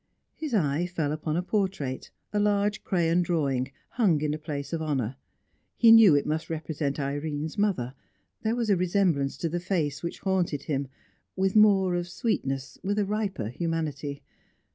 His eye fell upon a portrait, a large crayon drawing, hung in a place of honour; he knew it must represent Irene's mother; there was a resemblance to the face which haunted him, with more of sweetness, with a riper humanity.